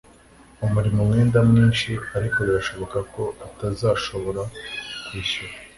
Amurimo umwenda mwinshi ariko birashoboka ko atazashobora kwishyura